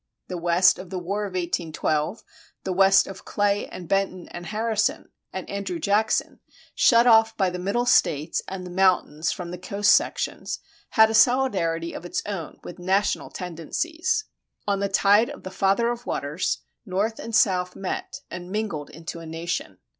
The West of the War of 1812, the West of Clay, and Benton and Harrison, and Andrew Jackson, shut off by the Middle States and the mountains from the coast sections, had a solidarity of its own with national tendencies.[29:1] On the tide of the Father of Waters, North and South met and mingled into a nation.